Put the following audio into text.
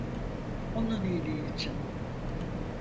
Onun iyiliği için.